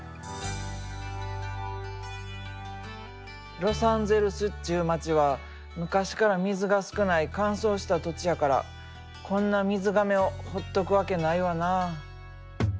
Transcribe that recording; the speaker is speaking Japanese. ロサンゼルスっちゅう町は昔から水が少ない乾燥した土地やからこんな水がめをほっとくわけないわな。